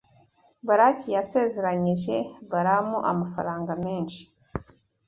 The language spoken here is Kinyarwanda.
Balaki yasezeranyije Balamu amafaranga menshi